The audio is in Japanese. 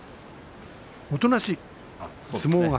おとなしい、相撲が。